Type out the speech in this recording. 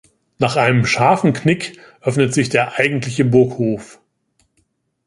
Nach einem scharfen Knick öffnet sich der eigentliche Burghof.